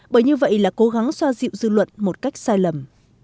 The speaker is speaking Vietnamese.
bởi như vậy là cố gắng xoa dịu dư luận một cách sai lầm